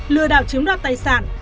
lừa đảo chiếm đoạt tài sản